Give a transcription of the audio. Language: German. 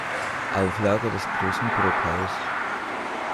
Auflage des "Großen Brockhaus".